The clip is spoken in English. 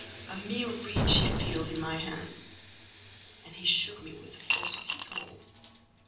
A mere reed she feels in my hand!" (And he shook me with the force of his hold.)